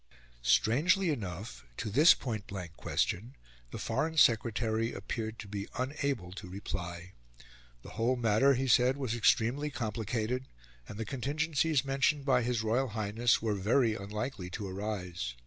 Strangely enough, to this pointblank question, the Foreign Secretary appeared to be unable to reply. The whole matter, he said, was extremely complicated, and the contingencies mentioned by His Royal Highness were very unlikely to arise.